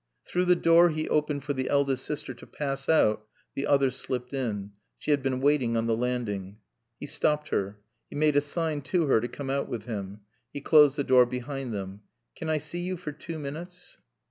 Through the door he opened for the eldest sister to pass out the other slipped in. She had been waiting on the landing. He stopped her. He made a sign to her to come out with him. He closed the door behind them. "Can I see you for two minutes?"